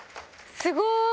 すごーい。